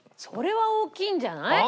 それは大きいんじゃない？